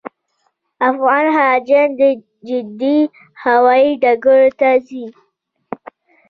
افغان حاجیان د جدې هوایي ډګر ته ځي.